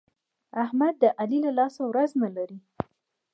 احمد د علي له لاسه ورځ نه لري.